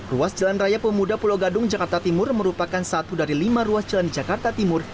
ruas jalan raya pemuda pulau gadung jakarta timur merupakan satu dari lima ruas jalan di jakarta timur